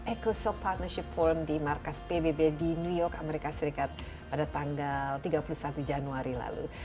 eco sob partnership form di markas pbb di new york amerika serikat pada tanggal tiga puluh satu januari lalu